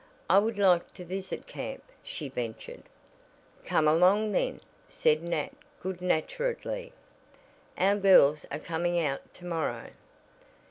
"I would like to visit camp," she ventured. "Come along then," said Nat good naturedly, "Our girls are coming out to morrow."